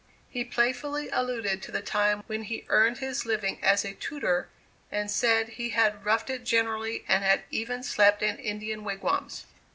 He playfully alluded to the time when he earned his living as a tutor, and said he had roughed it generally and had even slept in Indian wigwams.